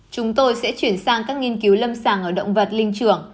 chúng tôi sẽ chuyển sang các nghiên cứu lâm sàng ở động vật linh trưởng